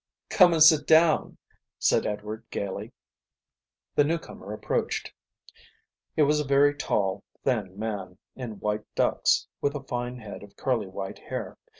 "Come and sit down," said Edward gaily. The new comer approached. He was a very tall, thin man, in white ducks, with a fine head of curly white hair.